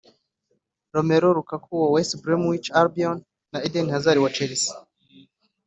Romelu Lukaku wa Westbromwich Albion na Eden Hazard wa Chelsea